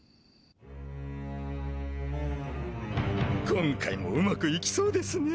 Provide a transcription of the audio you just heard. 今回もうまくいきそうですね！